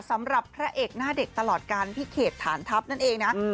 สำหรับน่าเด็กตลอดการพิเขจฐานทัพนั่นเองนะอืม